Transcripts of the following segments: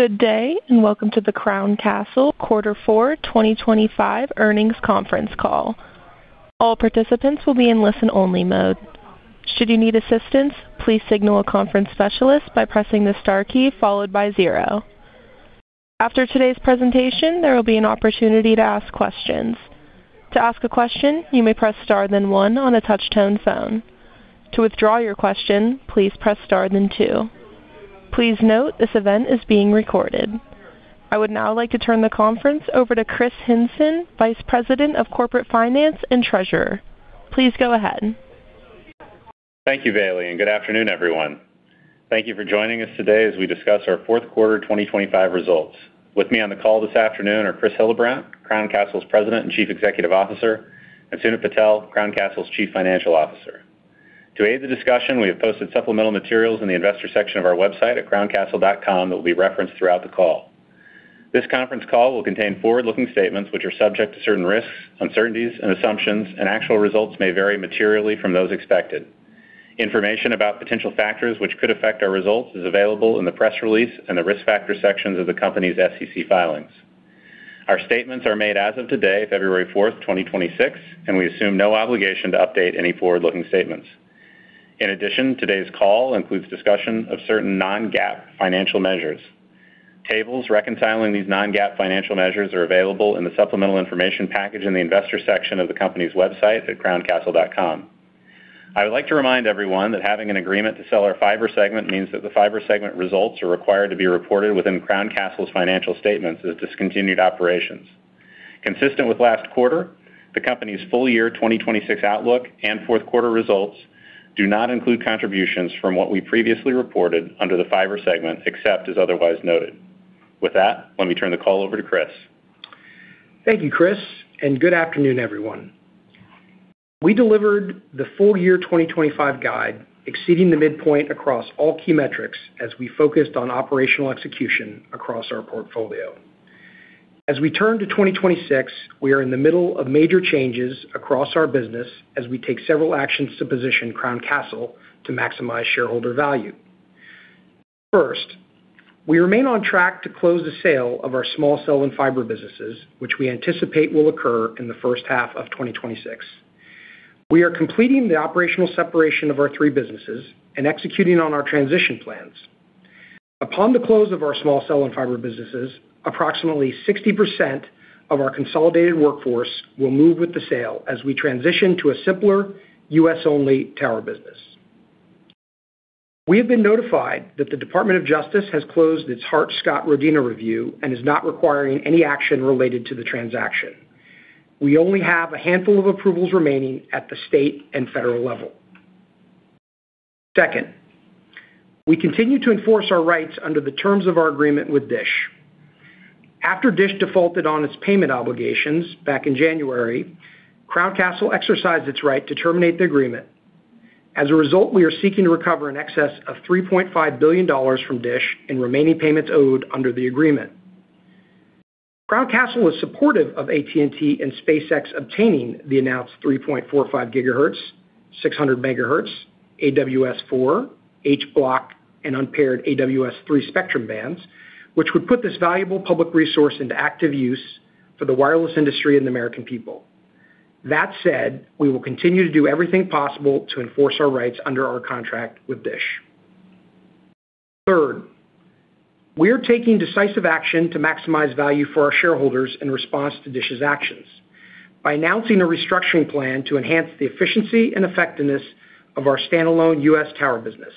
Good day, and welcome to the Crown Castle Quarter Four 2025 Earnings Conference Call. All participants will be in listen-only mode. Should you need assistance, please signal a conference specialist by pressing the star key followed by zero. After today's presentation, there will be an opportunity to ask questions. To ask a question, you may press star then one on a touch-tone phone. To withdraw your question, please press star then two. Please note, this event is being recorded. I would now like to turn the conference over to Kris Hinson, Vice President of Corporate Finance and Treasurer. Please go ahead. Thank you, Bailey, and good afternoon, everyone. Thank you for joining us today as we discuss our fourth quarter 2025 results. With me on the call this afternoon are Chris Hillabrant, Crown Castle's President and Chief Executive Officer, and Sunit Patel, Crown Castle's Chief Financial Officer. To aid the discussion, we have posted supplemental materials in the investor section of our website at crowncastle.com that will be referenced throughout the call. This conference call will contain forward-looking statements which are subject to certain risks, uncertainties, and assumptions, and actual results may vary materially from those expected. Information about potential factors which could affect our results is available in the press release and the risk factor sections of the company's SEC filings. Our statements are made as of today, February 4, 2026, and we assume no obligation to update any forward-looking statements. In addition, today's call includes discussion of certain non-GAAP financial measures. Tables reconciling these non-GAAP financial measures are available in the supplemental information package in the Investor section of the company's website at crowncastle.com. I would like to remind everyone that having an agreement to sell our fiber segment means that the fiber segment results are required to be reported within Crown Castle's financial statements as discontinued operations. Consistent with last quarter, the company's full year 2026 outlook and fourth quarter results do not include contributions from what we previously reported under the fiber segment, except as otherwise noted. With that, let me turn the call over to Chris. Thank you, Kris, and good afternoon, everyone. We delivered the full year 2025 guide, exceeding the midpoint across all key metrics as we focused on operational execution across our portfolio. As we turn to 2026, we are in the middle of major changes across our business as we take several actions to position Crown Castle to maximize shareholder value. First, we remain on track to close the sale of our small cell and fiber businesses, which we anticipate will occur in the first half of 2026. We are completing the operational separation of our three businesses and executing on our transition plans. Upon the close of our small cell and fiber businesses, approximately 60% of our consolidated workforce will move with the sale as we transition to a simpler U.S.-only tower business. We have been notified that the Department of Justice has closed its Hart-Scott-Rodino review and is not requiring any action related to the transaction. We only have a handful of approvals remaining at the state and federal level. Second, we continue to enforce our rights under the terms of our agreement with DISH. After DISH defaulted on its payment obligations back in January, Crown Castle exercised its right to terminate the agreement. As a result, we are seeking to recover in excess of $3.5 billion from DISH in remaining payments owed under the agreement. Crown Castle is supportive of AT&T and SpaceX obtaining the announced 3.45 GHz, 600 MHz, AWS-4, H Block, and unpaired AWS-3 spectrum bands, which would put this valuable public resource into active use for the wireless industry and the American people. That said, we will continue to do everything possible to enforce our rights under our contract with DISH. Third, we are taking decisive action to maximize value for our shareholders in response to DISH's actions by announcing a restructuring plan to enhance the efficiency and effectiveness of our standalone U.S. tower business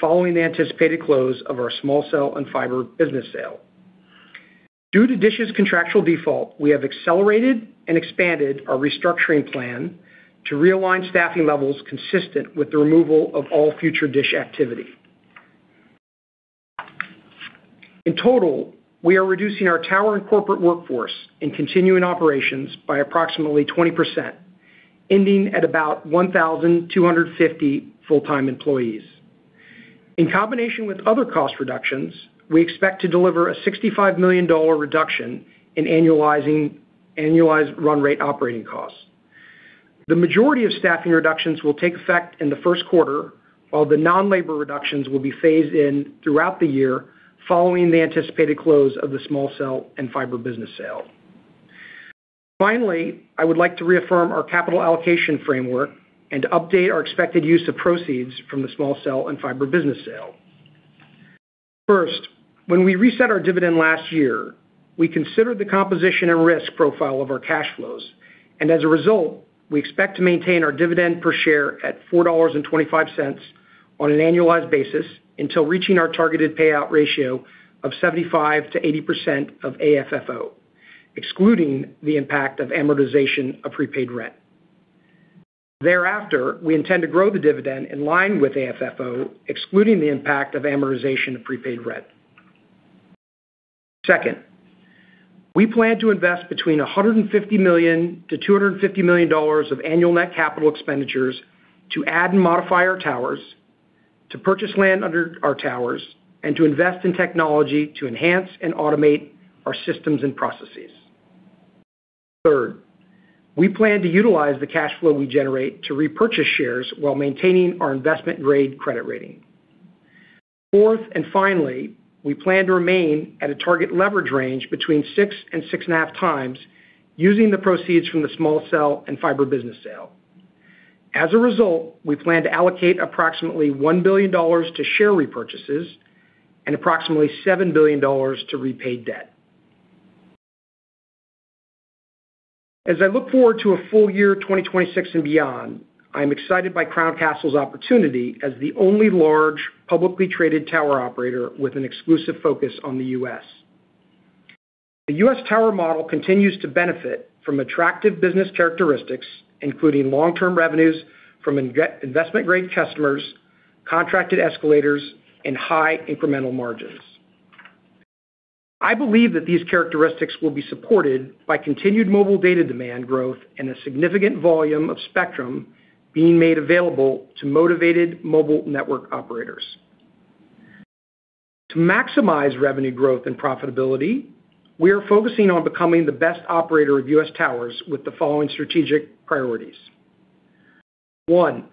following the anticipated close of our small cell and fiber business sale. Due to DISH's contractual default, we have accelerated and expanded our restructuring plan to realign staffing levels consistent with the removal of all future DISH activity. In total, we are reducing our tower and corporate workforce in continuing operations by approximately 20%, ending at about 1,250 full-time employees. In combination with other cost reductions, we expect to deliver a $65 million reduction in annualized run rate operating costs. The majority of staffing reductions will take effect in the first quarter, while the non-labor reductions will be phased in throughout the year following the anticipated close of the small cell and fiber business sale. Finally, I would like to reaffirm our capital allocation framework and update our expected use of proceeds from the small cell and fiber business sale. First, when we reset our dividend last year, we considered the composition and risk profile of our cash flows, and as a result, we expect to maintain our dividend per share at $4.25 on an annualized basis until reaching our targeted payout ratio of 75%-80% of AFFO, excluding the impact of amortization of prepaid rent. Thereafter, we intend to grow the dividend in line with AFFO, excluding the impact of amortization of prepaid rent. Second, we plan to invest between $150 million-$250 million of annual net capital expenditures to add and modify our towers, to purchase land under our towers, and to invest in technology to enhance and automate our systems and processes. Third, we plan to utilize the cash flow we generate to repurchase shares while maintaining our investment-grade credit rating. Fourth, and finally, we plan to remain at a target leverage range between 6-6.5 times using the proceeds from the small cell and fiber business sale. As a result, we plan to allocate approximately $1 billion to share repurchases and approximately $7 billion to repay debt. As I look forward to a full year 2026 and beyond, I'm excited by Crown Castle's opportunity as the only large, publicly traded tower operator with an exclusive focus on the U.S. The U.S. tower model continues to benefit from attractive business characteristics, including long-term revenues from investment-grade customers, contracted escalators, and high incremental margins. I believe that these characteristics will be supported by continued mobile data demand growth and a significant volume of spectrum being made available to motivated mobile network operators. To maximize revenue growth and profitability, we are focusing on becoming the best operator of U.S. towers with the following strategic priorities. One,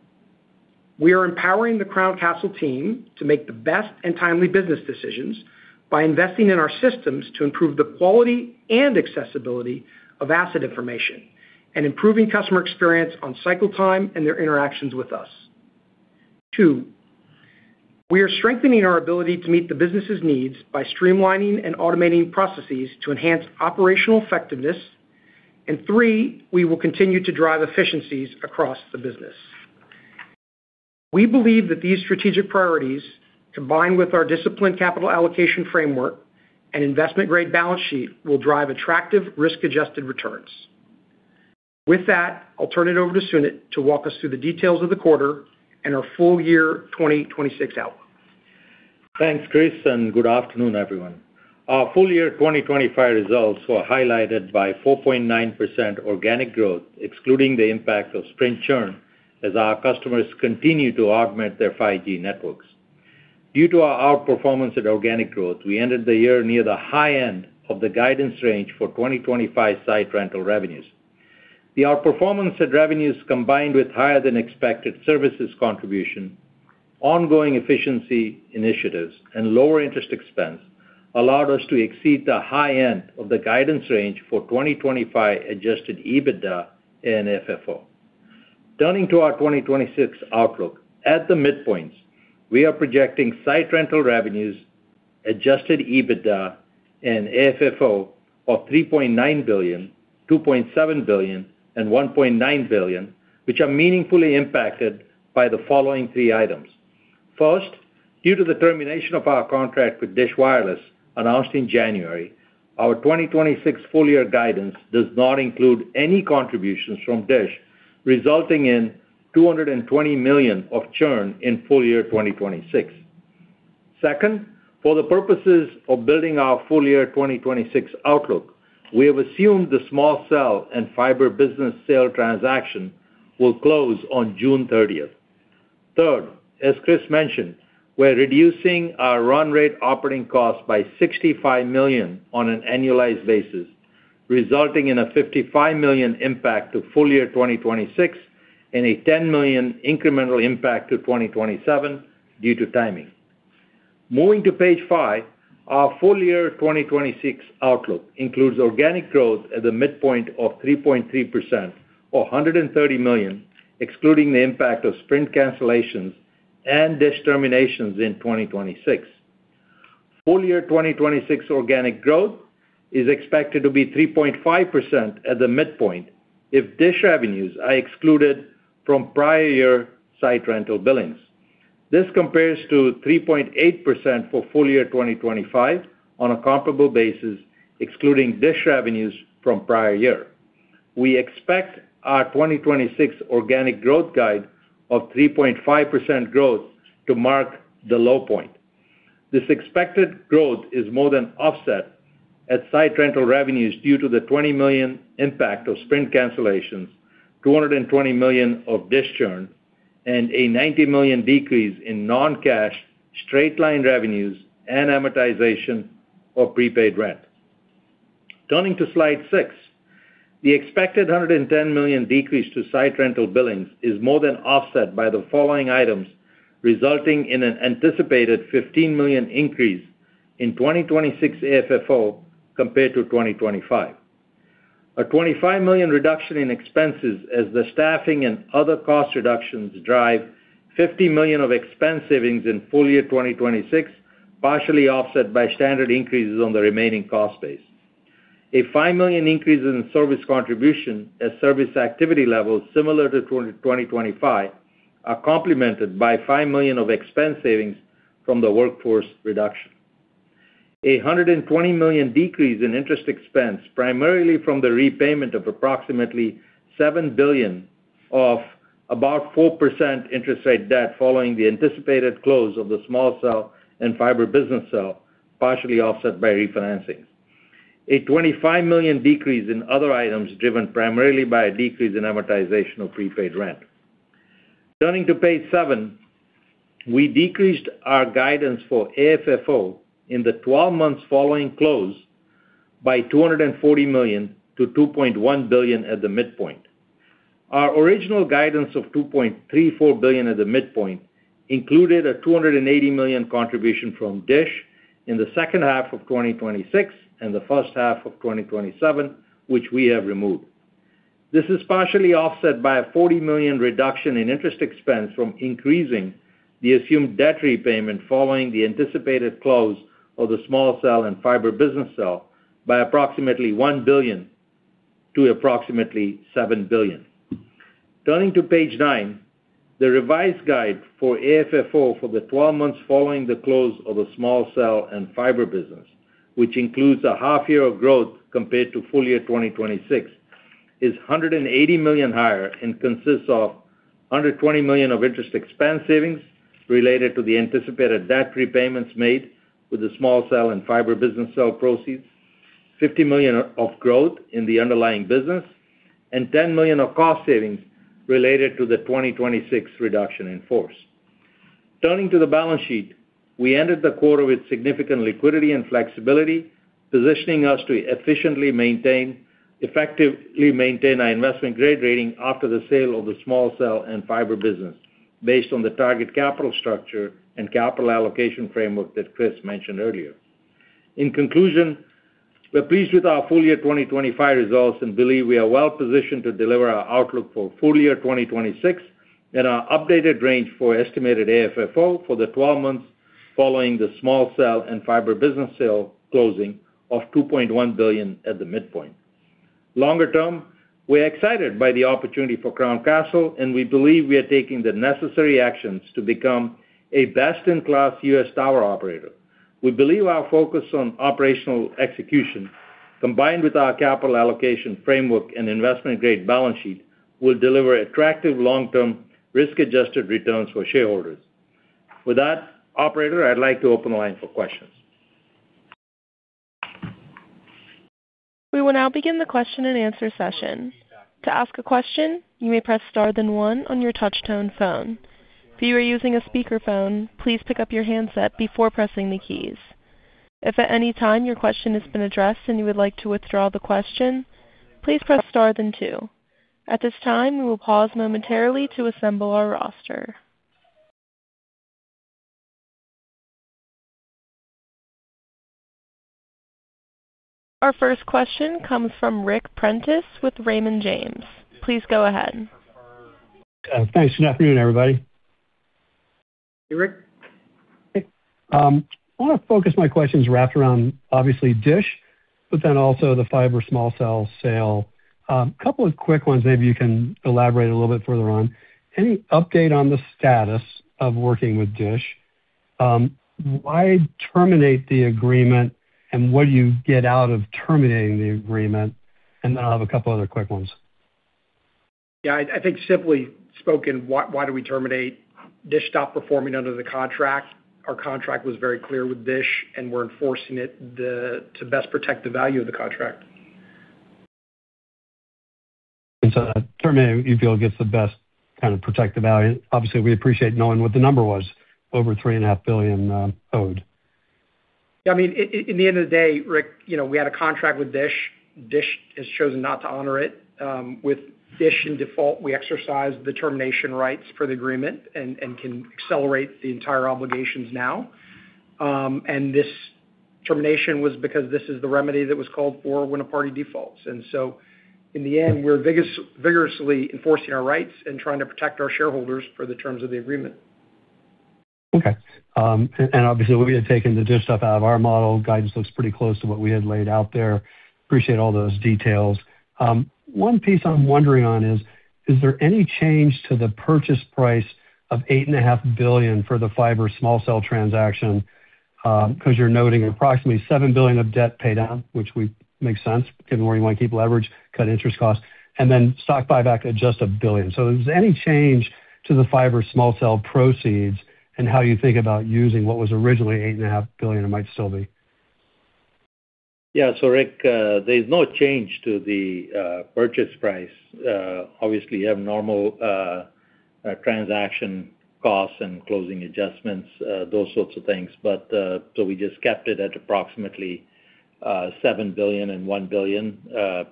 we are empowering the Crown Castle team to make the best and timely business decisions by investing in our systems to improve the quality and accessibility of asset information and improving customer experience on cycle time and their interactions with us. Two, we are strengthening our ability to meet the business's needs by streamlining and automating processes to enhance operational effectiveness. And three, we will continue to drive efficiencies across the business. We believe that these strategic priorities, combined with our disciplined capital allocation framework and investment-grade balance sheet, will drive attractive risk-adjusted returns. With that, I'll turn it over to Sunit to walk us through the details of the quarter and our full year 2026 outlook. Thanks, Chris, and good afternoon, everyone. Our full year 2025 results were highlighted by 4.9% organic growth, excluding the impact of Sprint churn, as our customers continue to augment their 5G networks. Due to our outperformance at organic growth, we ended the year near the high end of the guidance range for 2025 site rental revenues. The outperformance at revenues, combined with higher-than-expected services contribution, ongoing efficiency initiatives, and lower interest expense, allowed us to exceed the high end of the guidance range for 2025 adjusted EBITDA and FFO. Turning to our 2026 outlook. At the midpoints, we are projecting site rental revenues, adjusted EBITDA, and AFFO of $3.9 billion, $2.7 billion, and $1.9 billion, which are meaningfully impacted by the following three items. First, due to the termination of our contract with DISH Wireless, announced in January, our 2026 full-year guidance does not include any contributions from DISH, resulting in $220 million of churn in full year 2026. Second, for the purposes of building our full year 2026 outlook, we have assumed the small cell and fiber business sale transaction will close on June 30th. Third, as Chris mentioned, we're reducing our run rate operating costs by $65 million on an annualized basis, resulting in a $55 million impact to full year 2026 and a $10 million incremental impact to 2027 due to timing. Moving to page 5, our full year 2026 outlook includes organic growth at the midpoint of 3.3% or $130 million, excluding the impact of Sprint cancellations and DISH terminations in 2026. Full-year 2026 organic growth is expected to be 3.5% at the midpoint if DISH revenues are excluded from prior year site rental billings. This compares to 3.8% for full-year 2025 on a comparable basis, excluding DISH revenues from prior year. We expect our 2026 organic growth guide of 3.5% growth to mark the low point. This expected growth is more than offset at site rental revenues due to the $20 million impact of Sprint cancellations, $220 million of DISH churn, and a $90 million decrease in non-cash straight-line revenues and amortization of prepaid rent. Turning to slide 6. The expected $110 million decrease to site rental billings is more than offset by the following items, resulting in an anticipated $15 million increase in 2026 AFFO compared to 2025. A $25 million reduction in expenses as the staffing and other cost reductions drive $50 million of expense savings in full year 2026, partially offset by standard increases on the remaining cost base. A $5 million increase in service contribution as service activity levels, similar to 2025, are complemented by $5 million of expense savings from the workforce reduction. A $120 million decrease in interest expense, primarily from the repayment of approximately $7 billion of about 4% interest rate debt following the anticipated close of the small cell and fiber businesses sale, partially offset by refinancing. A $25 million decrease in other items, driven primarily by a decrease in amortization of prepaid rent. Turning to page 7, we decreased our guidance for AFFO in the 12 months following close by $240 million to $2.1 billion at the midpoint. Our original guidance of $2.34 billion at the midpoint included a $280 million contribution from DISH in the second half of 2026 and the first half of 2027, which we have removed. This is partially offset by a $40 million reduction in interest expense from increasing the assumed debt repayment following the anticipated close of the small cell and fiber business sale by approximately $1 billion to approximately $7 billion. Turning to page nine, the revised guide for AFFO for the 12 months following the close of the small cell and fiber business, which includes a half year of growth compared to full year 2026, is $180 million higher and consists of $120 million of interest expense savings related to the anticipated debt repayments made with the small cell and fiber business sale proceeds, $50 million of growth in the underlying business, and $10 million of cost savings related to the 2026 reduction in force. Turning to the balance sheet, we ended the quarter with significant liquidity and flexibility, positioning us to efficiently effectively maintain our investment-grade rating after the sale of the small cell and fiber business, based on the target capital structure and capital allocation framework that Chris mentioned earlier. In conclusion, we're pleased with our full year 2025 results, and believe we are well positioned to deliver our outlook for full year 2026 and our updated range for estimated AFFO for the twelve months following the small cell and fiber business sale closing of $2.1 billion at the midpoint. Longer term, we're excited by the opportunity for Crown Castle, and we believe we are taking the necessary actions to become a best-in-class U.S. tower operator. We believe our focus on operational execution, combined with our capital allocation framework and investment-grade balance sheet, will deliver attractive long-term, risk-adjusted returns for shareholders. With that, operator, I'd like to open the line for questions. We will now begin the question-and-answer session. To ask a question, you may press star then one on your touchtone phone. If you are using a speakerphone, please pick up your handset before pressing the keys. If at any time your question has been addressed and you would like to withdraw the question, please press star then two. At this time, we will pause momentarily to assemble our roster. Our first question comes from Ric Prentiss with Raymond James. Please go ahead. Thanks, and afternoon, everybody. Hey, Ric. I want to focus my questions wrapped around obviously DISH, but then also the fiber small cell sale. A couple of quick ones, maybe you can elaborate a little bit further on. Any update on the status of working with DISH? Why terminate the agreement, and what do you get out of terminating the agreement? And then I'll have a couple other quick ones. Yeah, I think simply spoken, why do we terminate? DISH stopped performing under the contract. Our contract was very clear with DISH, and we're enforcing it to best protect the value of the contract. And so, terminating, you feel, gets the best, kind of, protect the value. Obviously, we appreciate knowing what the number was, over $3.5 billion owed. Yeah, I mean, in the end of the day, Ric, you know, we had a contract with DISH. DISH has chosen not to honor it. With DISH in default, we exercised the termination rights for the agreement and can accelerate the entire obligations now. This termination was because this is the remedy that was called for when a party defaults. And so, in the end, we're vigorously enforcing our rights and trying to protect our shareholders for the terms of the agreement. Okay. Obviously, we had taken the DISH stuff out of our model. Guidance looks pretty close to what we had laid out there. Appreciate all those details. One piece I'm wondering on is, is there any change to the purchase price of $8.5 billion for the fiber small cell transaction? Because you're noting approximately $7 billion of debt paydown, which makes sense, given where you want to keep leverage, cut interest costs, and then stock buyback at just $1 billion. So is there any change to the fiber small cell proceeds and how you think about using what was originally $8.5 billion? It might still be? Yeah. So Rick, there's no change to the purchase price. Obviously, you have normal transaction costs and closing adjustments, those sorts of things. But, so we just kept it at approximately $7 billion and $1 billion,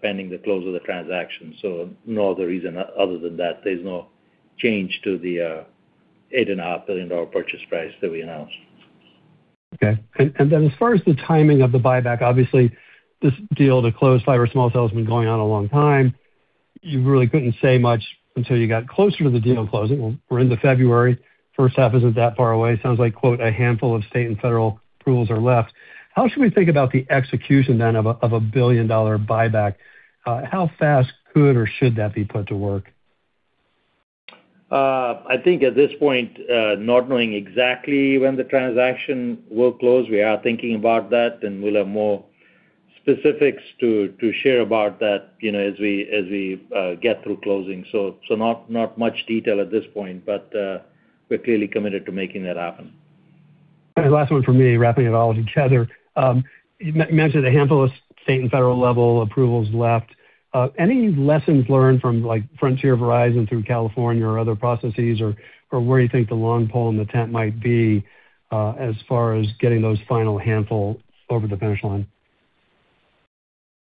pending the close of the transaction. So no other reason other than that, there's no change to the $8.5 billion purchase price that we announced. Okay. And, and then as far as the timing of the buyback, obviously, this deal to close fiber small cell has been going on a long time. You really couldn't say much until you got closer to the deal closing. Well, we're into February, first half isn't that far away. Sounds like, quote, "A handful of state and federal approvals are left." How should we think about the execution then of a, of a billion-dollar buyback? How fast could or should that be put to work? I think at this point, not knowing exactly when the transaction will close, we are thinking about that, and we'll have more specifics to share about that, you know, as we get through closing. So not much detail at this point, but we're clearly committed to making that happen.... Last one for me, wrapping it all together. You mentioned a handful of state and federal level approvals left. Any lessons learned from, like, Frontier, Verizon through California or other processes, or where you think the long pole in the tent might be, as far as getting those final handful over the finish line?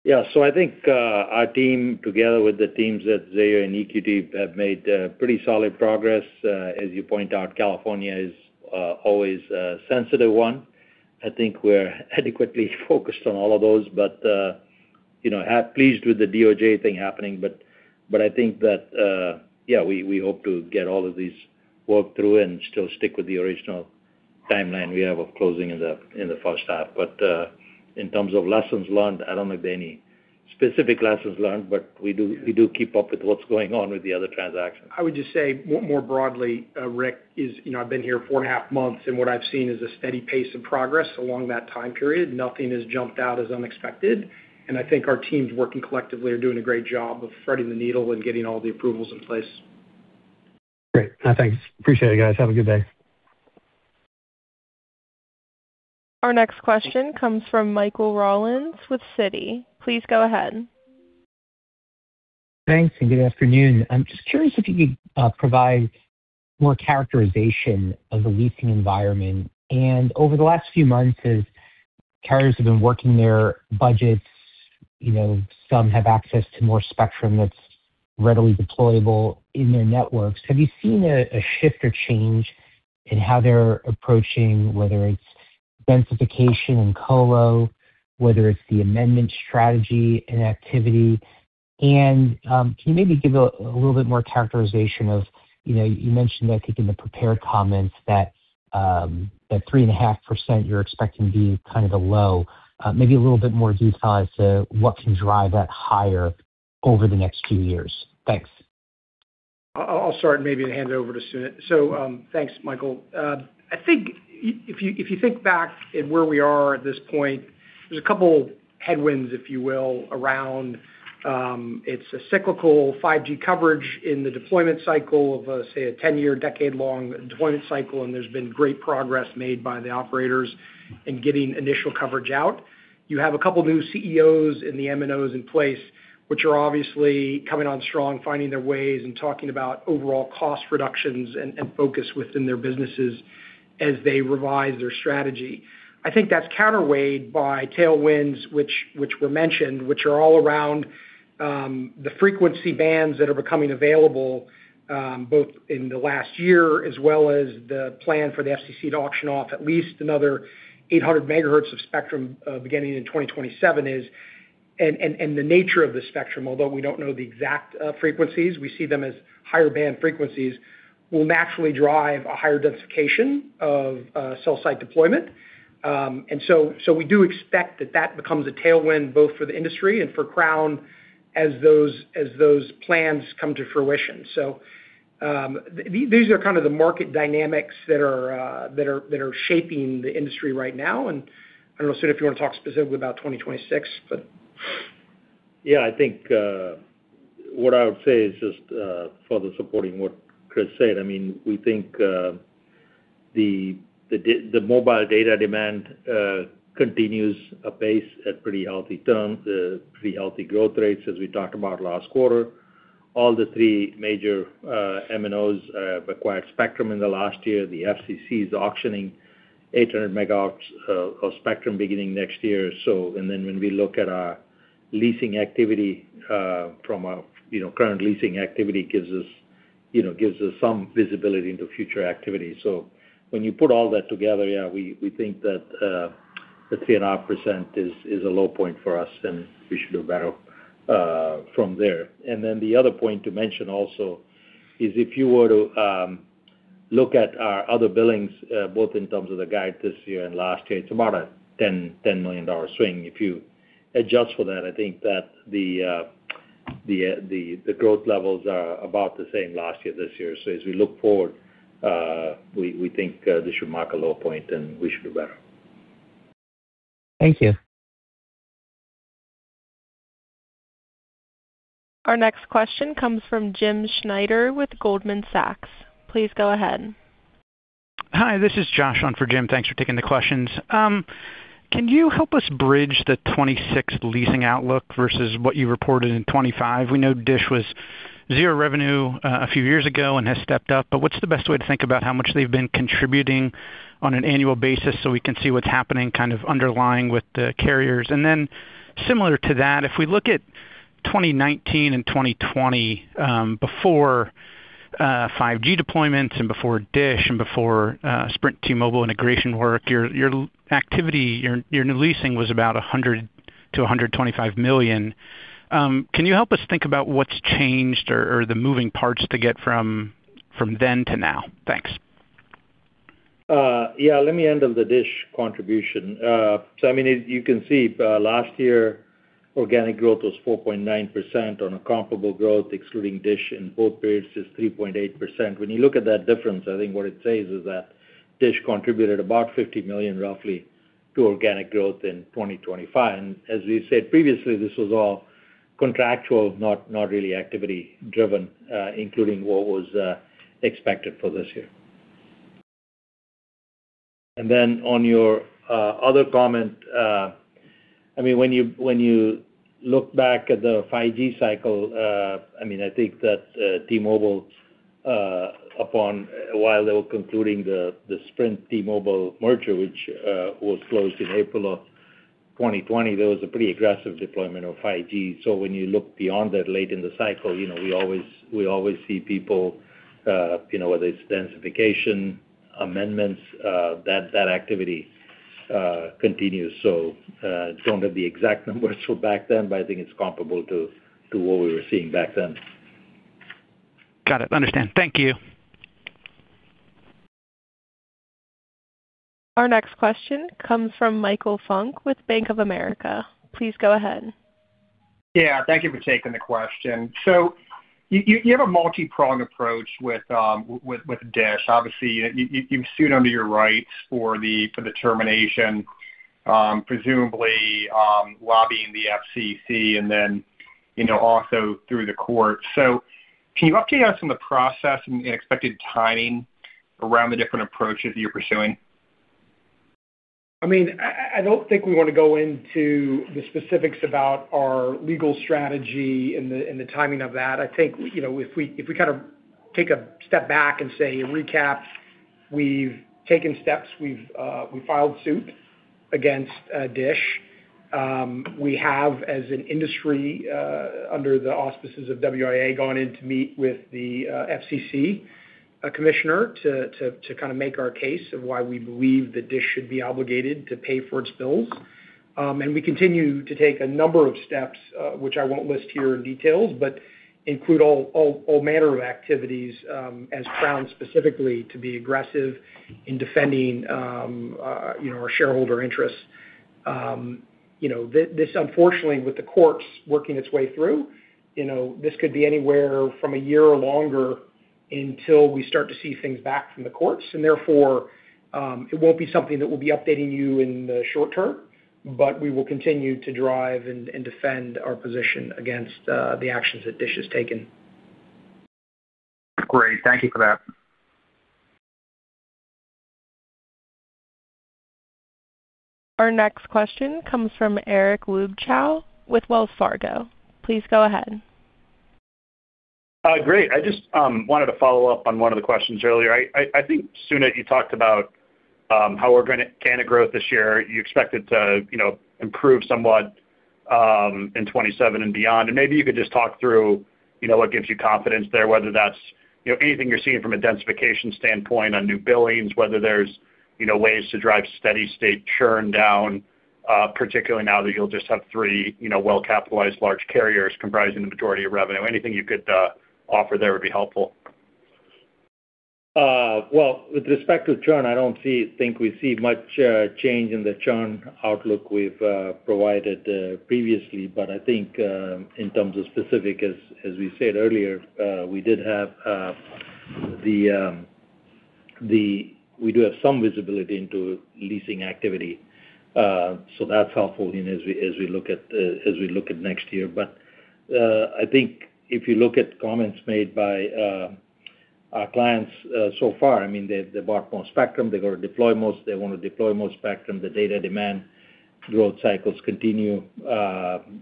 Yeah, so I think our team, together with the teams at Zayo and EQT, have made pretty solid progress. As you point out, California is always a sensitive one. I think we're adequately focused on all of those, but you know, pleased with the DOJ thing happening. But I think that yeah, we hope to get all of these worked through and still stick with the original timeline we have of closing in the first half. But in terms of lessons learned, I don't know if there are any specific lessons learned, but we do keep up with what's going on with the other transactions. I would just say, more broadly, Rick, you know, I've been here four and a half months, and what I've seen is a steady pace of progress along that time period. Nothing has jumped out as unexpected, and I think our teams working collectively are doing a great job of threading the needle and getting all the approvals in place. Great. Thanks. Appreciate it, guys. Have a good day. Our next question comes from Michael Rollins with Citi. Please go ahead. Thanks, and good afternoon. I'm just curious if you could provide more characterization of the leasing environment. And over the last few months, as carriers have been working their budgets, you know, some have access to more spectrum that's readily deployable in their networks, have you seen a shift or change in how they're approaching, whether it's densification and colo, whether it's the amendment strategy and activity? And can you maybe give a little bit more characterization of, you know, you mentioned, I think, in the prepared comments that that 3.5% you're expecting to be kind of the low. Maybe a little bit more detail as to what can drive that higher over the next few years. Thanks. I'll start and maybe hand it over to Sunit. So, thanks, Michael. I think if you, if you think back at where we are at this point, there's a couple headwinds, if you will, around, it's a cyclical 5G coverage in the deployment cycle of, say, a 10-year, decade-long deployment cycle, and there's been great progress made by the operators in getting initial coverage out. You have a couple new CEOs in the MNOs in place, which are obviously coming on strong, finding their ways and talking about overall cost reductions and, and focus within their businesses as they revise their strategy. I think that's counterweighed by tailwinds, which were mentioned, which are all around, the frequency bands that are becoming available, both in the last year, as well as the plan for the FCC to auction off at least another 800 megahertz of spectrum, beginning in 2027. And the nature of the spectrum, although we don't know the exact frequencies, we see them as higher band frequencies, will naturally drive a higher densification of cell site deployment. And so we do expect that that becomes a tailwind, both for the industry and for Crown, as those plans come to fruition. So these are kind of the market dynamics that are shaping the industry right now. And I don't know, Sunit, if you want to talk specifically about 2026, but- Yeah, I think what I would say is just further supporting what Chris said. I mean, we think the mobile data demand continues apace at pretty healthy terms, pretty healthy growth rates, as we talked about last quarter. All three major MNOs acquired spectrum in the last year. The FCC is auctioning 800 megahertz of spectrum beginning next year. And then when we look at our leasing activity, you know, current leasing activity gives us, you know, gives us some visibility into future activity. So when you put all that together, yeah, we think that the 3.5% is a low point for us, and we should do better from there. Then the other point to mention also is if you were to look at our other billings, both in terms of the guide this year and last year, it's about a $10 million swing. If you adjust for that, I think that the growth levels are about the same last year, this year. So as we look forward, we think this should mark a low point, and we should do better. Thank you. Our next question comes from Jim Schneider with Goldman Sachs. Please go ahead. Hi, this is Josh on for Jim. Thanks for taking the questions. Can you help us bridge the 2026 leasing outlook versus what you reported in 2025? We know Dish was $0 revenue a few years ago and has stepped up, but what's the best way to think about how much they've been contributing on an annual basis, so we can see what's happening kind of underlying with the carriers? And then similar to that, if we look at 2019 and 2020, before 5G deployments and before DISH and before Sprint, T-Mobile integration work, your leasing activity, your leasing was about $100 million-$125 million. Can you help us think about what's changed or the moving parts to get from then to now? Thanks. Yeah, let me handle the DISH contribution. So I mean, as you can see, last year, organic growth was 4.9% on a comparable growth, excluding DISH, in both periods is 3.8%. When you look at that difference, I think what it says is that DISH contributed about $50 million, roughly, to organic growth in 2025. And as we said previously, this was all contractual, not, not really activity driven, including what was expected for this year. And then on your other comment, I mean, when you look back at the 5G cycle, I mean, I think that T-Mobile, upon a while they were concluding the Sprint T-Mobile merger, which was closed in April of 2020, there was a pretty aggressive deployment of 5G. So when you look beyond that, late in the cycle, you know, we always see people, you know, whether it's densification, amendments, that activity continues. So, don't have the exact numbers from back then, but I think it's comparable to what we were seeing back then. Got it. Understand. Thank you. Our next question comes from Michael Funk with Bank of America. Please go ahead. Yeah, thank you for taking the question. So you have a multipronged approach with DISH. Obviously, you've sued under your rights for the termination, presumably, lobbying the FCC and then, you know, also through the court. So can you update us on the process and the expected timing around the different approaches you're pursuing? I mean, I don't think we want to go into the specifics about our legal strategy and the timing of that. I think, you know, if we kind of take a step back and say and recap, we've taken steps, we've, we filed suit against DISH. We have, as an industry, under the auspices of WIA, gone in to meet with the FCC, a commissioner, to kind of make our case of why we believe that DISH should be obligated to pay for its bills. And we continue to take a number of steps, which I won't list here in details, but include all manner of activities, as Crown specifically to be aggressive in defending, you know, our shareholder interests. You know, this, unfortunately, with the courts working its way through, you know, this could be anywhere from a year or longer until we start to see things back from the courts, and therefore, it won't be something that we'll be updating you in the short term, but we will continue to drive and defend our position against the actions that DISH has taken. Great. Thank you for that. Our next question comes from Eric Luebchow with Wells Fargo. Please go ahead. Great. I just wanted to follow up on one of the questions earlier. I think, Sunit, you talked about how organic growth this year, you expect it to, you know, improve somewhat in 2027 and beyond. And maybe you could just talk through, you know, what gives you confidence there, whether that's, you know, anything you're seeing from a densification standpoint on new billings, whether there's, you know, ways to drive steady state churn down, particularly now that you'll just have three, you know, well-capitalized large carriers comprising the majority of revenue. Anything you could offer there would be helpful. Well, with respect to churn, I don't think we see much change in the churn outlook we've provided previously. But I think, in terms of specifics, as we said earlier, we do have some visibility into leasing activity, so that's helpful as we look at next year. But I think if you look at comments made by our clients so far, I mean, they bought more spectrum. They're going to deploy most... They want to deploy more spectrum. The data demand growth cycles continue.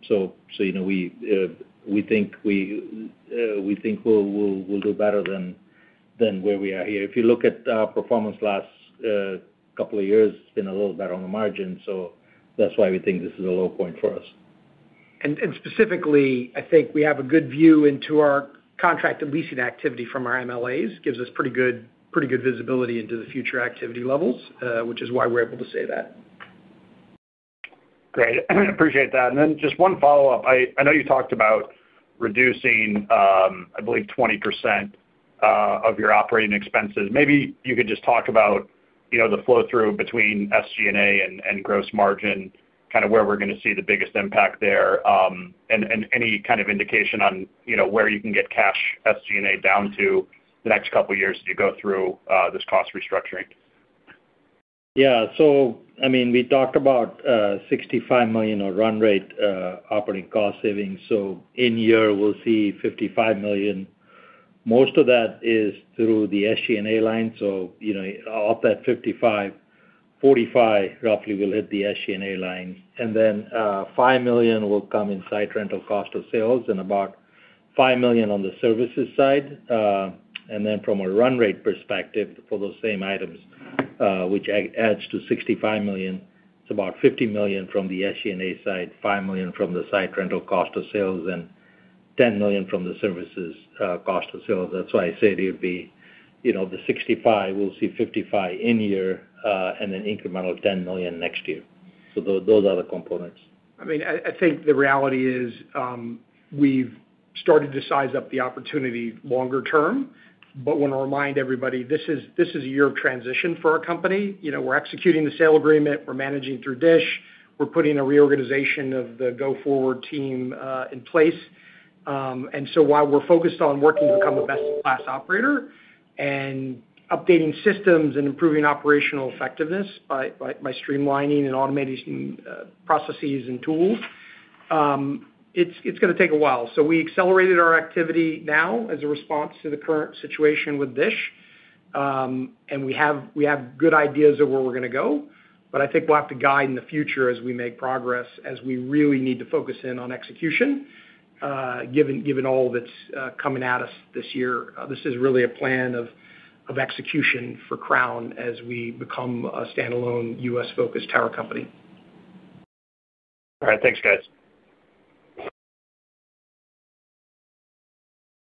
So, you know, we think we'll do better than where we are here. If you look at our performance last couple of years, it's been a little better on the margin, so that's why we think this is a low point for us. And specifically, I think we have a good view into our contract and leasing activity from our MLAs. Gives us pretty good, pretty good visibility into the future activity levels, which is why we're able to say that. Great. Appreciate that. And then just one follow-up. I know you talked about reducing, I believe, 20% of your operating expenses. Maybe you could just talk about, you know, the flow-through between SG&A and gross margin, kind of where we're going to see the biggest impact there. And any kind of indication on, you know, where you can get cash SG&A down to the next couple of years as you go through this cost restructuring. Yeah. So I mean, we talked about $65 million or run-rate operating cost savings. So in year, we'll see $55 million. Most of that is through the SG&A line. So, you know, of that 55, 45 roughly will hit the SG&A line, and then, five million will come in site rental cost of sales, and about $5 million on the services side. And then from a run-rate perspective, for those same items, which adds to $65 million, it's about $50 million from the SG&A side, $5 million from the site rental cost of sales, and $10 million from the services cost of sales. That's why I said it would be, you know, the 65, we'll see 55 in year, and then incremental $10 million next year. So those are the components. I mean, I think the reality is, we've started to size up the opportunity longer term, but want to remind everybody, this is a year of transition for our company. You know, we're executing the sale agreement, we're managing through DISH. We're putting a reorganization of the go-forward team in place. And so while we're focused on working to become a best-in-class operator and updating systems and improving operational effectiveness by streamlining and automating processes and tools, it's gonna take a while. So we accelerated our activity now as a response to the current situation with DISH. And we have good ideas of where we're gonna go, but I think we'll have to guide in the future as we make progress, as we really need to focus in on execution, given all that's coming at us this year. This is really a plan of execution for Crown as we become a standalone U.S.-focused tower company. All right. Thanks, guys.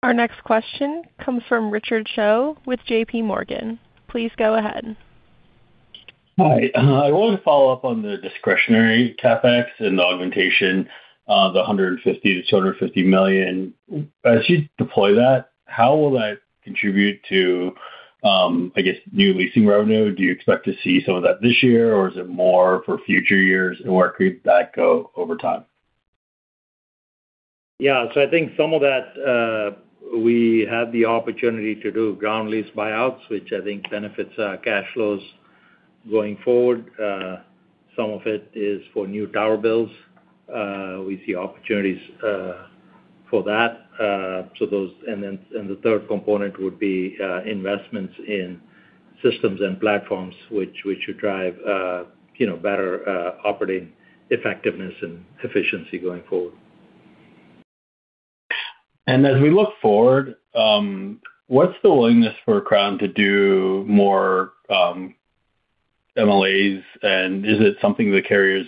Our next question comes from Richard Choe with J.P. Morgan. Please go ahead. Hi, I wanna follow up on the discretionary CapEx and the augmentation of the $150 million-$250 million. As you deploy that, how will that contribute to, I guess, new leasing revenue? Do you expect to see some of that this year, or is it more for future years, and where could that go over time? Yeah, so I think some of that, we have the opportunity to do ground lease buyouts, which I think benefits, cash flows going forward. Some of it is for new tower builds. We see opportunities, for that. So those and then the third component would be, investments in systems and platforms, which should drive, you know, better, operating effectiveness and efficiency going forward. As we look forward, what's the willingness for Crown to do more MLAs, and is it something the carriers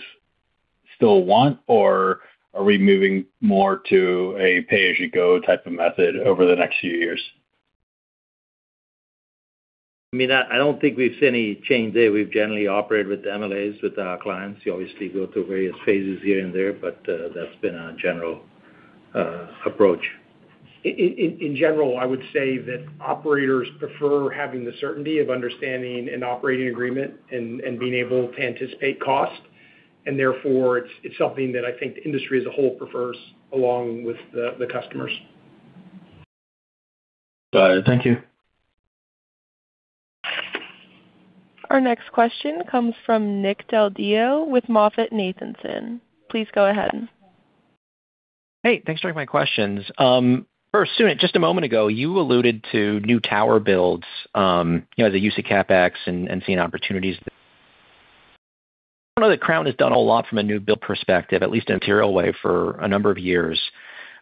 still want, or are we moving more to a pay-as-you-go type of method over the next few years? I mean, I don't think we've seen any change there. We've generally operated with MLAs with our clients. You obviously go through various phases here and there, but that's been our general approach. In general, I would say that operators prefer having the certainty of understanding an operating agreement and being able to anticipate cost, and therefore, it's something that I think the industry as a whole prefers, along with the customers. Got it. Thank you. Our next question comes from Nick Del Deo with MoffettNathanson. Please go ahead. Hey, thanks for taking my questions. First, Sunit, just a moment ago, you alluded to new tower builds, you know, the use of CapEx and, and seeing opportunities. I know that Crown has done a lot from a new build perspective, at least in a material way, for a number of years.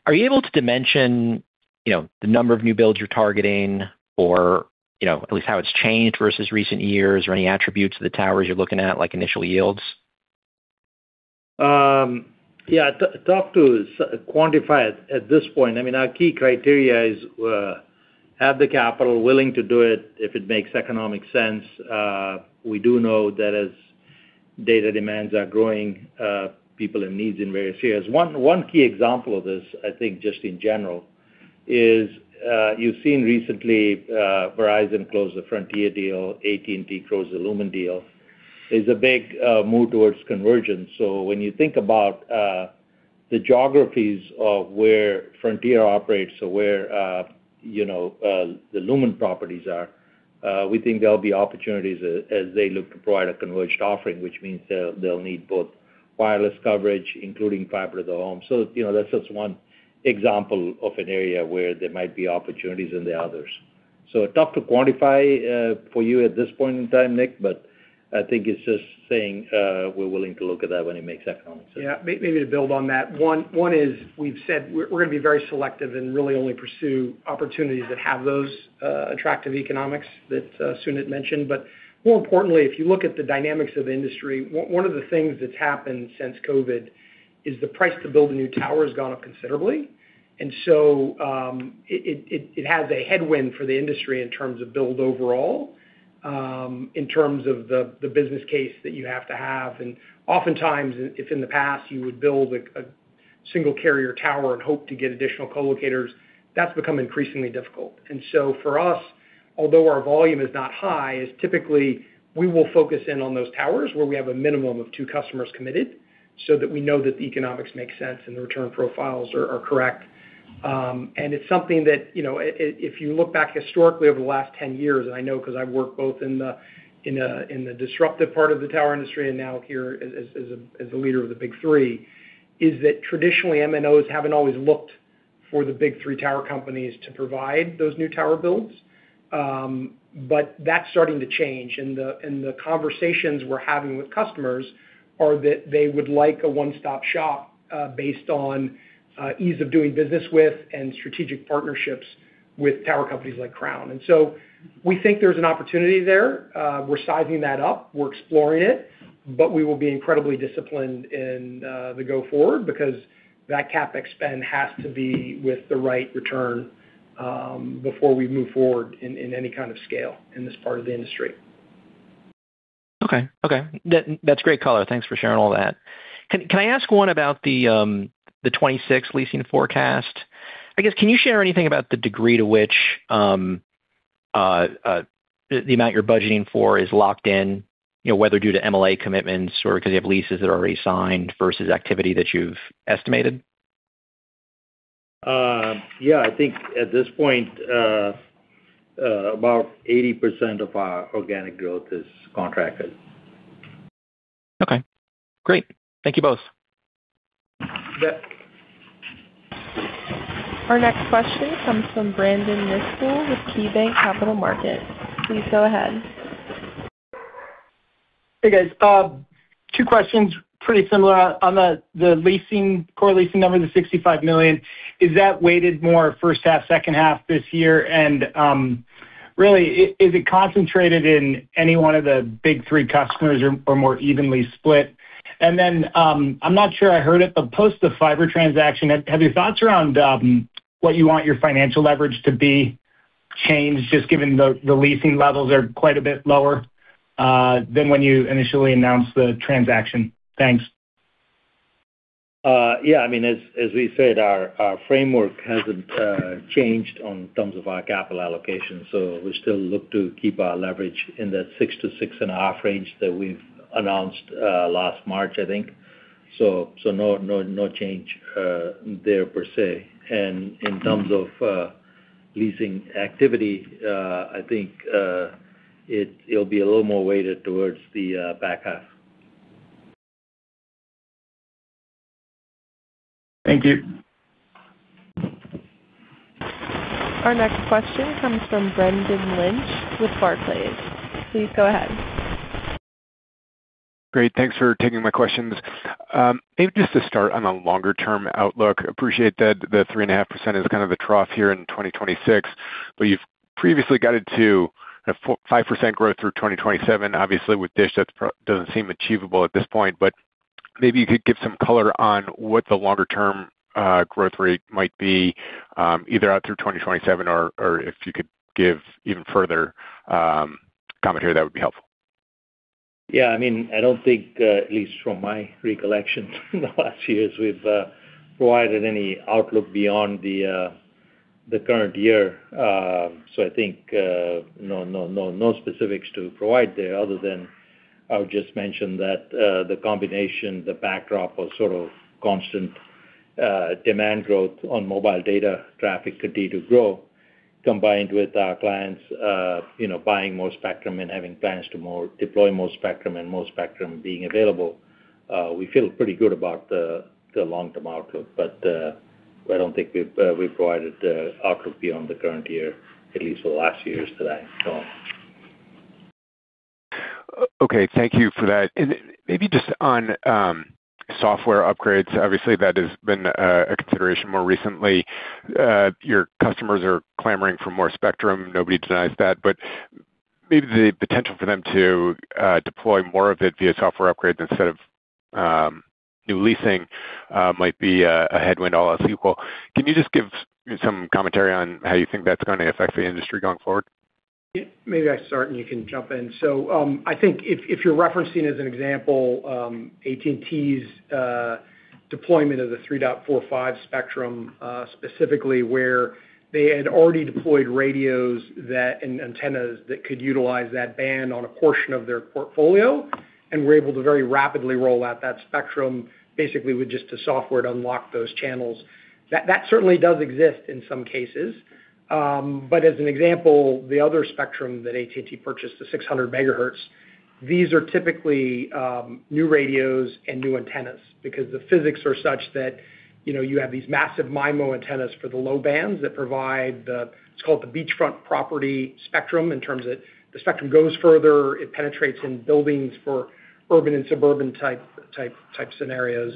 Are you able to dimension, you know, the number of new builds you're targeting, or, you know, at least how it's changed versus recent years, or any attributes of the towers you're looking at, like initial yields? Yeah, tough to quantify it at this point. I mean, our key criteria is, have the capital, willing to do it if it makes economic sense. We do know that as data demands are growing, people have needs in various areas. One key example of this, I think, just in general, is, you've seen recently, Verizon close the Frontier deal, AT&T close the Lumen deal. There's a big move towards convergence. So when you think about the geographies of where Frontier operates or where, you know, the Lumen properties are, we think there'll be opportunities as they look to provide a converged offering, which means they'll need both wireless coverage, including fiber to the home. So, you know, that's just one example of an area where there might be opportunities in the others. So tough to quantify for you at this point in time, Nick, but I think it's just saying we're willing to look at that when it makes economic sense. Yeah, maybe to build on that. One is, we've said we're gonna be very selective and really only pursue opportunities that have those attractive economics that Sunit mentioned. But more importantly, if you look at the dynamics of the industry, one of the things that's happened since COVID is the price to build a new tower has gone up considerably. And so, it has a headwind for the industry in terms of build overall, in terms of the business case that you have to have. And oftentimes, in the past you would build a single carrier tower and hope to get additional co-locators, that's become increasingly difficult. And so for us, although our volume is not high, it is typically we will focus in on those towers where we have a minimum of 2 customers committed, so that we know that the economics make sense and the return profiles are correct. And it's something that, you know, if you look back historically over the last 10 years, and I know because I've worked both in the disruptive part of the tower industry and now here as a leader of the Big Three, it is that traditionally, MNOs haven't always looked for the Big Three tower companies to provide those new tower builds. But that's starting to change, and the conversations we're having with customers are that they would like a one-stop shop, based on ease of doing business with and strategic partnerships with tower companies like Crown. And so we think there's an opportunity there. We're sizing that up. We're exploring it, but we will be incredibly disciplined in the go-forward because that CapEx spend has to be with the right return, before we move forward in any kind of scale in this part of the industry. Okay. Okay, that's great color. Thanks for sharing all that. Can I ask one about the '26 leasing forecast? I guess, can you share anything about the degree to which,... the amount you're budgeting for is locked in, you know, whether due to MLA commitments or because you have leases that are already signed versus activity that you've estimated? Yeah, I think at this point, about 80% of our organic growth is contracted. Okay, great. Thank you both. Yep. Our next question comes from Brandon Nispel with KeyBanc Capital Markets. Please go ahead. Hey, guys. Two questions, pretty similar. On the leasing, core leasing number, the $65 million, is that weighted more first half, second half this year? And really, is it concentrated in any one of the big three customers or more evenly split? And then, I'm not sure I heard it, but post the fiber transaction, have your thoughts around what you want your financial leverage to be changed, just given the leasing levels are quite a bit lower than when you initially announced the transaction? Thanks. Yeah, I mean, as we said, our framework hasn't changed in terms of our capital allocation, so we still look to keep our leverage in that 6-6.5 range that we've announced last March, I think. So no change there per se. And in terms of leasing activity, I think it'll be a little more weighted towards the back half. Thank you. Our next question comes from Brendan Lynch with Barclays. Please go ahead. Great, thanks for taking my questions. Maybe just to start on a longer term outlook, appreciate that the 3.5% is kind of the trough here in 2026, but you've previously guided to a 4%-5% growth through 2027. Obviously, with DISH, that doesn't seem achievable at this point, but maybe you could give some color on what the longer term growth rate might be, either out through 2027 or, or if you could give even further commentary, that would be helpful. Yeah, I mean, I don't think, at least from my recollection, in the last years, we've provided any outlook beyond the current year. So I think, no, no, no, no specifics to provide there other than I'll just mention that, the combination, the backdrop of sort of constant, demand growth on mobile data traffic continue to grow, combined with our clients, you know, buying more spectrum and having plans to deploy more spectrum and more spectrum being available, we feel pretty good about the long-term outlook. But, I don't think we've provided, outlook beyond the current year, at least for the last years today, so. Okay, thank you for that. And maybe just on software upgrades, obviously, that has been a consideration more recently. Your customers are clamoring for more spectrum. Nobody denies that, but maybe the potential for them to deploy more of it via software upgrades instead of new leasing might be a headwind all else equal. Can you just give some commentary on how you think that's gonna affect the industry going forward? Yeah, maybe I start, and you can jump in. So, I think if, if you're referencing as an example, AT&T's deployment of the 3.45 GHz spectrum, specifically where they had already deployed radios that and antennas that could utilize that band on a portion of their portfolio and were able to very rapidly roll out that spectrum, basically with just a software to unlock those channels. That, that certainly does exist in some cases. But as an example, the other spectrum that AT&T purchased, the 600 MHz, these are typically new radios and new antennas, because the physics are such that, you know, you have these massive MIMO antennas for the low bands that provide the, it's called the beachfront property spectrum, in terms of the spectrum goes further, it penetrates in buildings for urban and suburban type scenarios.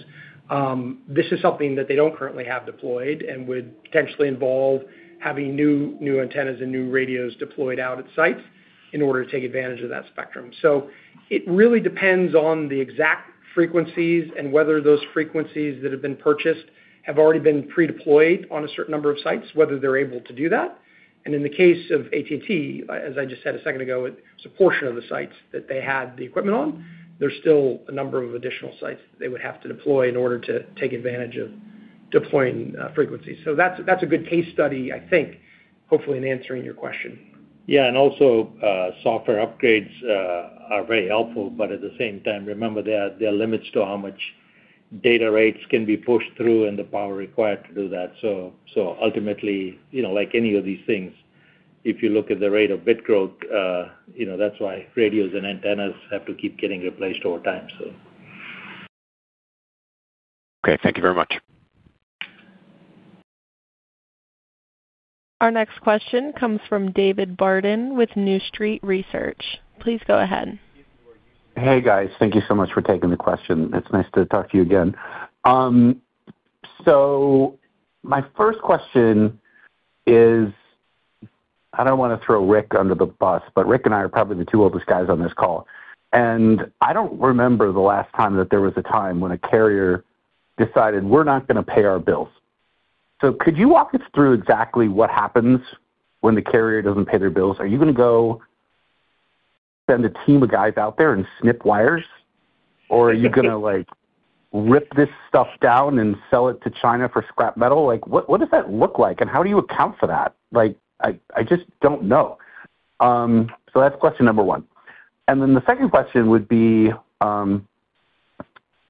This is something that they don't currently have deployed and would potentially involve having new, new antennas and new radios deployed out at sites in order to take advantage of that spectrum. So it really depends on the exact frequencies and whether those frequencies that have been purchased have already been pre-deployed on a certain number of sites, whether they're able to do that. And in the case of AT&T, as I just said a second ago, it's a portion of the sites that they had the equipment on. There's still a number of additional sites they would have to deploy in order to take advantage of deploying frequencies. So that's a good case study, I think, hopefully in answering your question. Yeah, and also, software upgrades are very helpful, but at the same time, remember there are, there are limits to how much data rates can be pushed through and the power required to do that. So, so ultimately, you know, like any of these things, if you look at the rate of bit growth, you know, that's why radios and antennas have to keep getting replaced over time, so. Okay, thank you very much. Our next question comes from David Barden with New Street Research. Please go ahead. Hey, guys. Thank you so much for taking the question. It's nice to talk to you again. So my first question is, I don't wanna throw Rick under the bus, but Rick and I are probably the two oldest guys on this call, and I don't remember the last time that there was a time when a carrier decided, "We're not gonna pay our bills." So could you walk us through exactly what happens when the carrier doesn't pay their bills? Are you gonna go send a team of guys out there and snip wires? Or are you gonna, like, rip this stuff down and sell it to China for scrap metal? Like, what, what does that look like, and how do you account for that? Like, I just don't know. So that's question number one. And then the second question would be,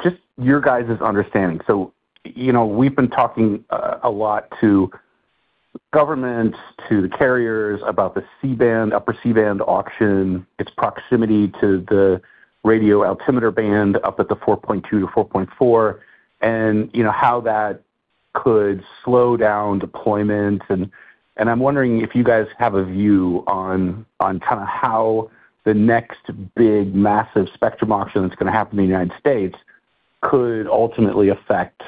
just your guys' understanding. So, you know, we've been talking a lot to government, to the carriers about the C-Band, upper C-Band auction, its proximity to the radio altimeter band up at the 4.2-4.4, and, you know, how that could slow down deployment. And I'm wondering if you guys have a view on kind of how the next big, massive spectrum auction that's gonna happen in the United States could ultimately affect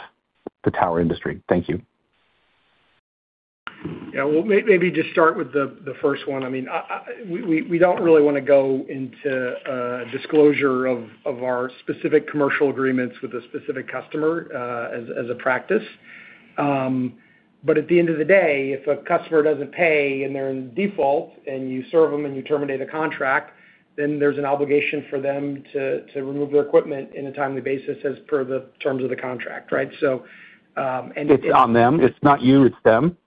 the tower industry. Thank you. Yeah, well, maybe just start with the first one. I mean, we don't really wanna go into disclosure of our specific commercial agreements with a specific customer as a practice. But at the end of the day, if a customer doesn't pay and they're in default, and you serve them, and you terminate a contract, then there's an obligation for them to remove their equipment in a timely basis as per the terms of the contract, right? So, and- It's on them. It's not you, it's them?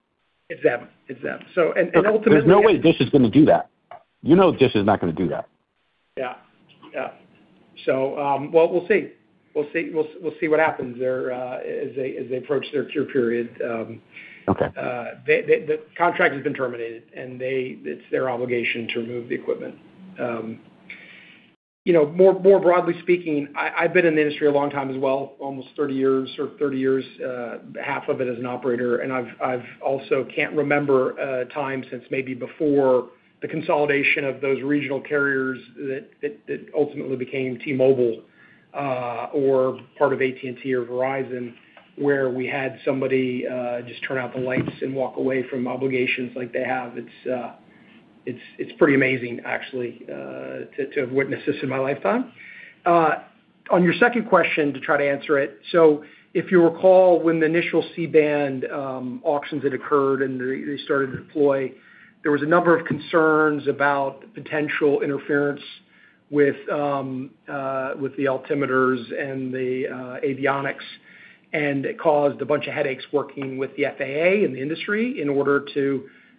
It's them. It's them. So, and ultimately- There's no way DISH is gonna do that. You know DISH is not gonna do that. Yeah. Yeah. So, well, we'll see. We'll see. We'll see what happens there, as they approach their cure period. Okay. The contract has been terminated, and they—it's their obligation to remove the equipment. You know, more broadly speaking, I've been in the industry a long time as well, almost 30 years or 30 years, half of it as an operator, and I've also can't remember a time since maybe before the consolidation of those regional carriers that ultimately became T-Mobile, or part of AT&T or Verizon, where we had somebody just turn out the lights and walk away from obligations like they have. It's pretty amazing actually, to have witnessed this in my lifetime. On your second question, to try to answer it, so if you recall, when the initial C-Band auctions had occurred and they, they started to deploy, there was a number of concerns about potential interference with, with the altimeters and the, avionics, and it caused a bunch of headaches working with the FAA and the industry in order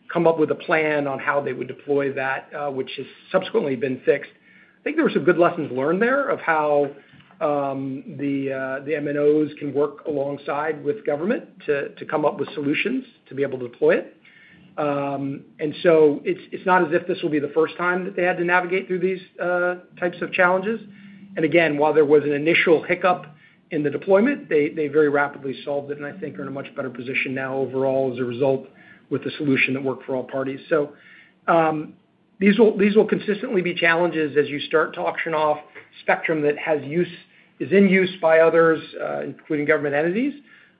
to come up with a plan on how they would deploy that, which has subsequently been fixed. I think there were some good lessons learned there of how, the, the MNOs can work alongside with government to, to come up with solutions to be able to deploy it. And so it's, it's not as if this will be the first time that they had to navigate through these, types of challenges. And again, while there was an initial hiccup in the deployment, they very rapidly solved it, and I think are in a much better position now overall as a result, with a solution that worked for all parties. So, these will consistently be challenges as you start to auction off spectrum that is in use by others, including government entities,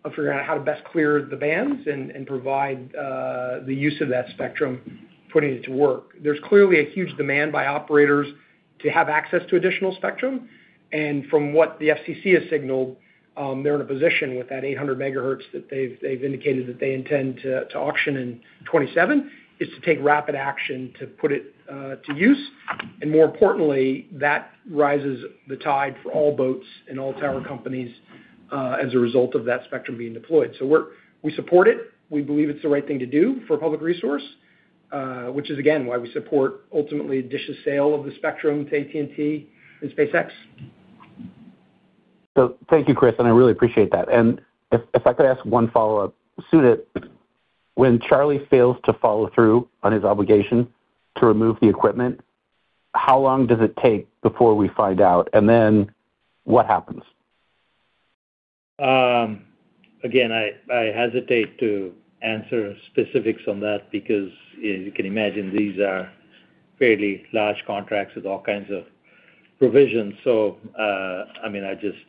of figuring out how to best clear the bands and provide the use of that spectrum, putting it to work. There's clearly a huge demand by operators to have access to additional spectrum, and from what the FCC has signaled, they're in a position with that 800 MHz that they've indicated that they intend to auction in 2027, is to take rapid action to put it to use. And more importantly, that rises the tide for all boats and all tower companies, as a result of that spectrum being deployed. So we support it. We believe it's the right thing to do for a public resource, which is, again, why we support ultimately DISH's sale of the spectrum to AT&T and SpaceX. Thank you, Chris, and I really appreciate that. If I could ask one follow-up. Sunit, when Charlie fails to follow through on his obligation to remove the equipment, how long does it take before we find out? And then, what happens? Again, I hesitate to answer specifics on that because, as you can imagine, these are fairly large contracts with all kinds of provisions. So, I mean, I just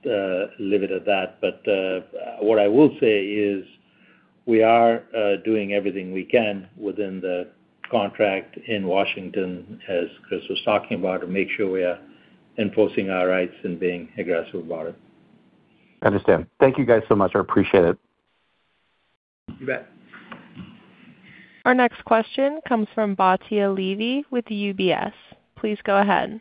leave it at that. But, what I will say is we are doing everything we can within the contract in Washington, as Chris was talking about, to make sure we are enforcing our rights and being aggressive about it. Understood. Thank you, guys, so much. I appreciate it. You bet. Our next question comes from Batya Levi with UBS. Please go ahead.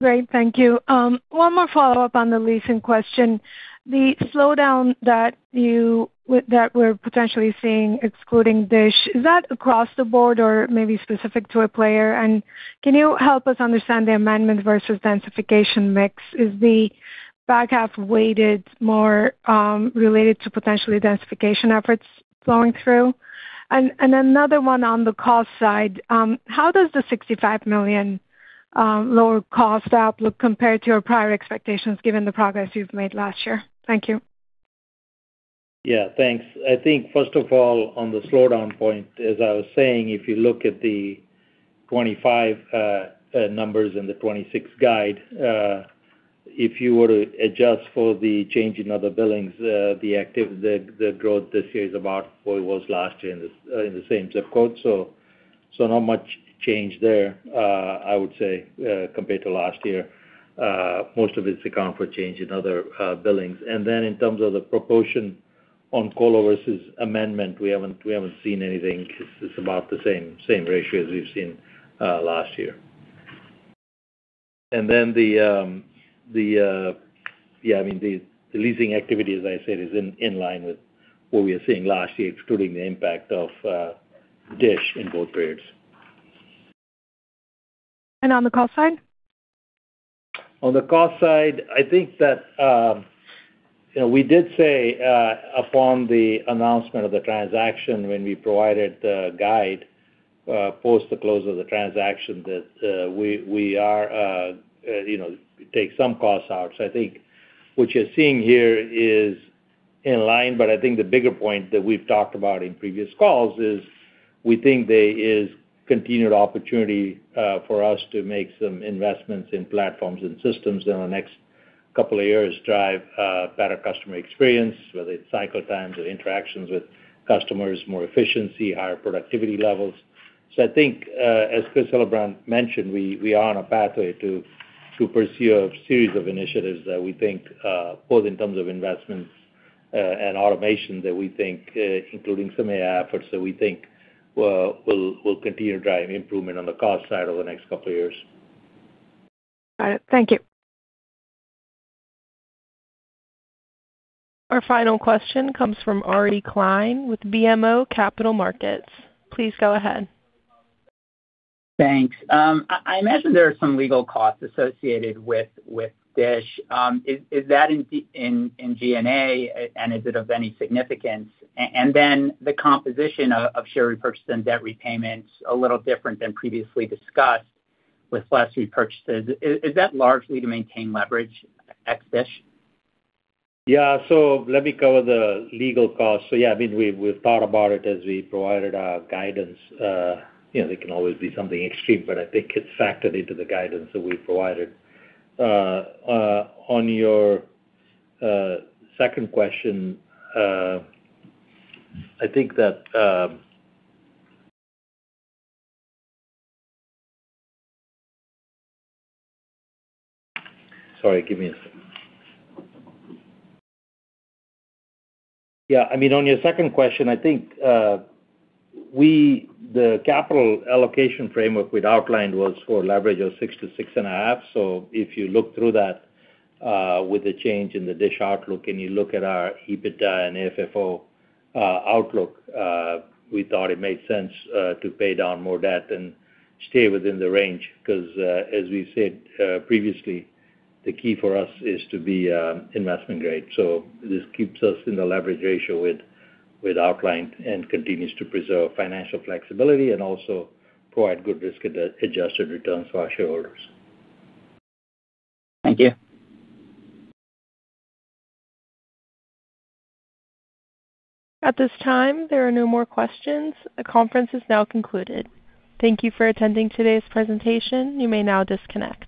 Great, thank you. One more follow-up on the leasing question. The slowdown that we're potentially seeing, excluding DISH, is that across the board or maybe specific to a player? And can you help us understand the amendment versus densification mix? Is the back half weighted more related to potential densification efforts flowing through? And another one on the cost side. How does the $65 million lower cost outlook compare to your prior expectations, given the progress you've made last year? Thank you. Yeah, thanks. I think, first of all, on the slowdown point, as I was saying, if you look at the 25 numbers and the 26 guide, if you were to adjust for the change in other billings, the active, the growth this year is about what it was last year in the same zip code. So, not much change there, I would say, compared to last year. Most of it is to account for change in other billings. And then in terms of the proportion on call versus amendment, we haven't seen anything. It's about the same ratio as we've seen last year. And then, I mean, the leasing activity, as I said, is in line with what we were seeing last year, excluding the impact of DISH in both periods. On the cost side? On the cost side, I think that, you know, we did say, upon the announcement of the transaction, when we provided the guide, post the close of the transaction, that, we, we are, you know, take some costs out. So I think what you're seeing here is in line, but I think the bigger point that we've talked about in previous calls is, we think there is continued opportunity, for us to make some investments in platforms and systems in the next couple of years, drive better customer experience, whether it's cycle times or interactions with customers, more efficiency, higher productivity levels. I think, as Chris Hillabrant mentioned, we are on a pathway to pursue a series of initiatives that we think, both in terms of investments, and automation, that we think, including some AI efforts, that we think, will continue to drive improvement on the cost side over the next couple of years. Got it. Thank you. Our final question comes from Ari Klein with BMO Capital Markets. Please go ahead. Thanks. I imagine there are some legal costs associated with DISH. Is that in G&A, and is it of any significance? And then the composition of share repurchase and debt repayments a little different than previously discussed with less repurchases. Is that largely to maintain leverage ex DISH? Yeah. So let me cover the legal costs. So yeah, I mean, we've thought about it as we provided our guidance. You know, there can always be something extreme, but I think it's factored into the guidance that we've provided. On your second question, I think that... Sorry, give me a second. Yeah, I mean, on your second question, I think, the capital allocation framework we'd outlined was for leverage of 6-6.5. So if you look through that, with the change in the DISH outlook, and you look at our EBITDA and AFFO outlook, we thought it made sense, to pay down more debt and stay within the range, 'cause, as we've said, previously, the key for us is to be investment-grade. So this keeps us in the leverage ratio with outline and continues to preserve financial flexibility, and also provide good risk-adjusted returns for our shareholders. Thank you. At this time, there are no more questions. The conference is now concluded. Thank you for attending today's presentation. You may now disconnect.